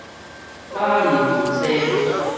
馬鈴薯沙